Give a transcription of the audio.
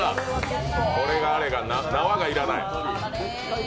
これがあれば縄は要らない。